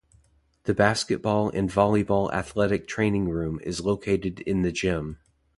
The basketball and volleyball athletic training room is located in the gym.